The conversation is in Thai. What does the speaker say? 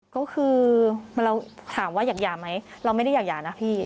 ก็คือเราถามว่าอยากหย่าไหมเราไม่ได้อยากหย่านะพี่